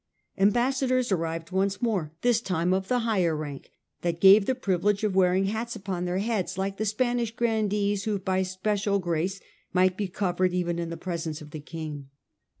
Ambassadors arrived once more, this time of the higher rank that gave the privilege of wearing hats upon their heads, like the Spanish grandees who by special grace might be covered even in the presence of the king.